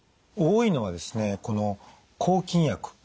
多いのはですね抗菌薬。